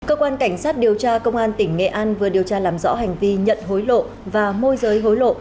cơ quan cảnh sát điều tra công an tỉnh nghệ an vừa điều tra làm rõ hành vi nhận hối lộ và môi giới hối lộ